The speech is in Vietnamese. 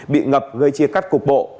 bị ngập gây chia cắt cục bộ